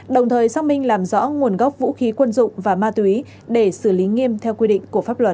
đồng thời xác minh làm rõ nguồn gốc vũ khí quân dụng và ma túy để xử lý nghiêm theo quy định của pháp luật